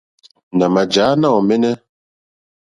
Nà mà jǎ náòmɛ́nɛ́.